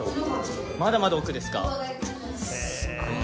まだまだ奥ですか？